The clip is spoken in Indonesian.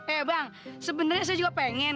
eh bang sebenarnya saya juga pengen